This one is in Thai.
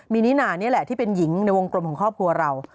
มีนิน่านี่แหละที่เป็นหญิงในวงกลมของครอบครัวเรา